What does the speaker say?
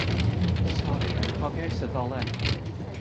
Sori, anghofiais y ddolen.